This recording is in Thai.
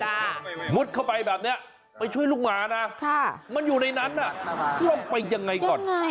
หมดเข้าไปแบบนี้ไปช่วยลูกหมานะมันอยู่ในนั้นลองไปยังไงก่อน